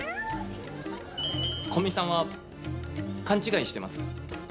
古見さんは勘違いしてます。